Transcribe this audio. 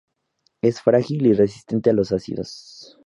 Es frágil y resistente a los ácidos.